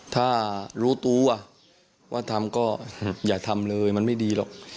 ถ้ารู้ตัวว่าทำก็อย่าทำเลยมันไม่ดีหรอก